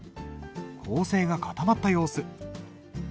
構成が固まった様子。